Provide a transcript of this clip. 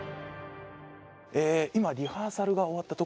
今リハーサルが終わったところです。